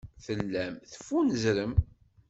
Tellam teffunzrem.